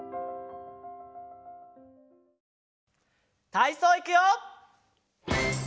たいそういくよ！